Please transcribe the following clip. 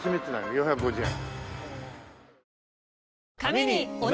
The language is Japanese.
４５０円。